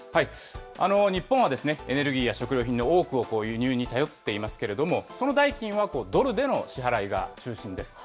日本はエネルギーや食料品の多くを輸入に頼っていますけれども、その代金はドルでの支払いが中心です。